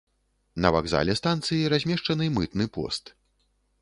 На вакзале станцыі размешчаны мытны пост.